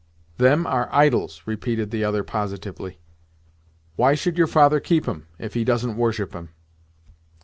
"Them are idols!" repeated the other, positively. "Why should your father keep 'em, if he doesn't worship 'em."